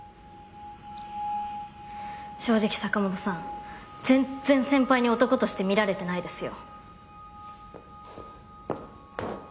正直坂本さん全然先輩に男として見られてないですよ。